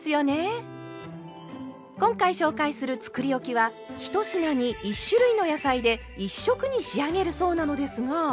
今回紹介するつくりおきは１品に１種類の野菜で１色に仕上げるそうなのですが。